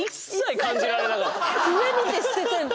上見て捨ててんの。